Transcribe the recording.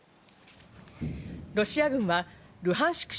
ロシア軍はルハンシク